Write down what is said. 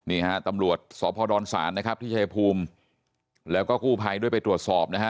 นี่ฮะตำรวจสพดศาลนะครับที่ชายภูมิแล้วก็กู้ภัยด้วยไปตรวจสอบนะฮะ